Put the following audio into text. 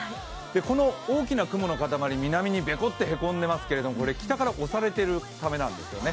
この大きな雲の塊南にべこっとへこんでますけど、これは北から押されているためなんですよね。